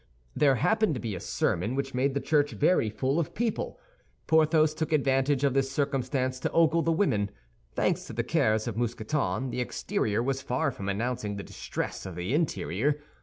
There happened to be a sermon, which made the church very full of people. Porthos took advantage of this circumstance to ogle the women. Thanks to the cares of Mousqueton, the exterior was far from announcing the distress of the interior.